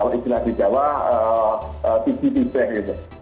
mati tigi mati kaveh atau konopera